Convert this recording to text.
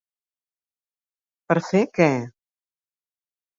Per a fer què?